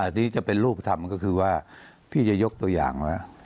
อาจจะเป็นรูปทำก็คือว่าพี่จะยกตัวอย่าง